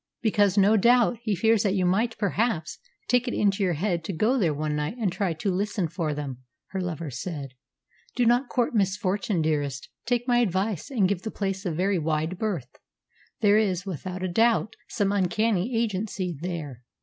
"Because, no doubt, he fears that you might perhaps take it into your head to go there one night and try to listen for them," her lover said. "Do not court misfortune, dearest. Take my advice, and give the place a very wide berth. There is, without a doubt, some uncanny agency there."